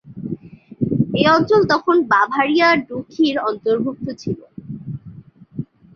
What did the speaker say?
এই অঞ্চল তখন বাভারিয়া ডুখি-র অন্তর্ভুক্ত ছিল।